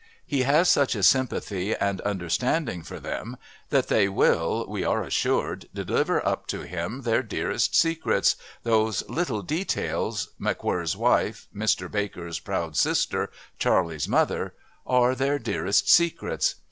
He has such sympathy and understanding for them that they will, we are assured, deliver up to him their dearest secrets those little details, McWhirr's wife, Mr Baker's proud sister, Charley's mother, are their dearest secrets.